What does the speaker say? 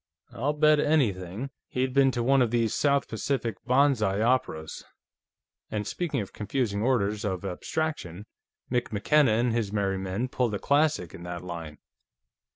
I'll bet anything he'd been to one of these South Pacific banzai operas. And speaking of confusing orders of abstraction, Mick McKenna and his merry men pulled a classic in that line.